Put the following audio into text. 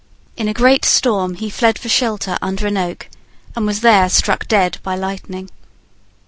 In a great storm he fled for shelter under an oak, and was there struck dead by lightning.